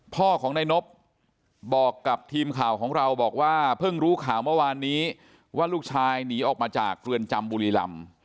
พ่อของนายนบบอกกับทีมข่าวของเราบอกว่าเพิ่งรู้ข่าวเมื่อวานนี้ว่าลูกชายหนีออกมาจากเรือนจำบุรีลำ